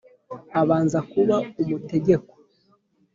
abanza kuba umutegekwa